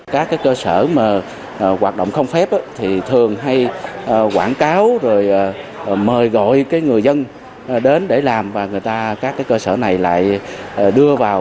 các cơ sở hoạt động không phép thì thường hay quảng cáo rồi mời gọi người dân đến để làm và người ta các cơ sở này lại đưa vào